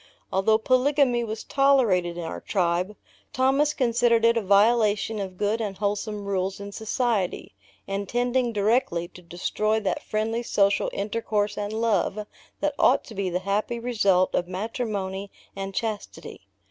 Although polygamy was tolerated in our tribe, Thomas considered it a violation of good and wholesome rules in society, and tending directly to destroy that friendly social intercourse and love, that ought to be the happy result of matrimony and chastity.